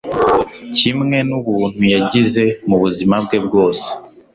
kimwe n'ubuntu yagize mu buzima bwe bwose